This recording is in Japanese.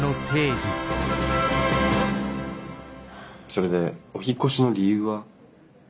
それでお引っ越しの理由は？